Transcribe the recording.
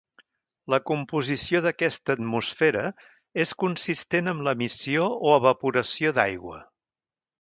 La composició d'aquesta atmosfera és consistent amb l'emissió o evaporació d'aigua.